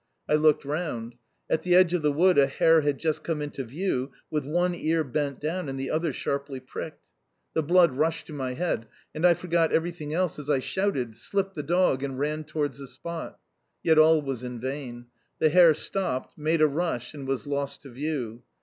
I looked round. At the edge of the wood a hare had just come into view, with one ear bent down and the other one sharply pricked. The blood rushed to my head, and I forgot everything else as I shouted, slipped the dog, and rushed towards the spot. Yet all was in vain. The hare stopped, made a rush, and was lost to view.